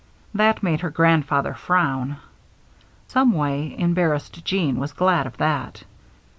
That made her grandfather frown. Some way, embarrassed Jeanne was glad of that.